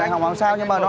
em mở cho em mở